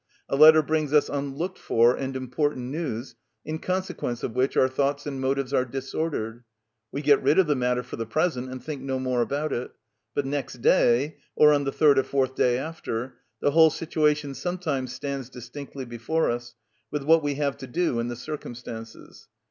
A letter brings us unlooked for and important news, in consequence of which our thoughts and motives are disordered; we get rid of the matter for the present, and think no more about it; but next day, or on the third or fourth day after, the whole situation sometimes stands distinctly before us, with what we have to do in the circumstances.